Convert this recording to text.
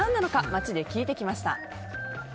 街で聞いてきました。